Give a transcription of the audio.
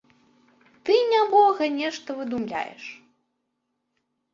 Ты, нябога, нешта выдумляеш.